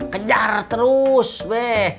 kejar terus be